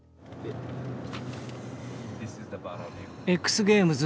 Ｘゲームズ